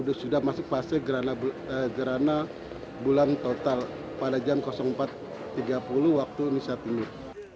itu sudah masuk fase gerhana bulan total pada jam empat tiga puluh waktu indonesia timur